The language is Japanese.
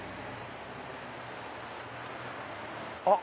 あっ！